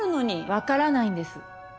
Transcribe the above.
わからないんです。